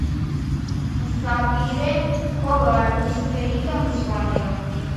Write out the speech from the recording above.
საპირე ქვა ვარდისფერი და მწვანეა.